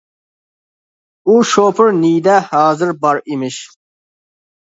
ئۇ شوپۇر نىيىدە ھازىر بار ئىمىش.